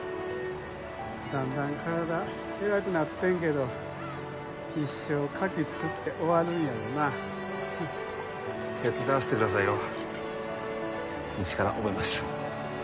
だんだん体えらくなってんけど一生牡蠣つくって終わるんやろな手伝わせてくださいよ一から覚えます